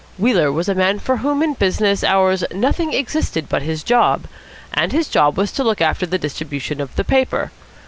Wheeler was a man for whom in business hours nothing existed but his job; and his job was to look after the distribution of the paper.